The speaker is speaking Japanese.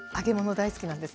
大好きなんです。